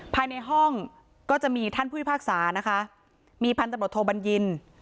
ภายในห้องก็จะมีท่านผู้พิพากษานะคะมีพันธบทโทบัญญิน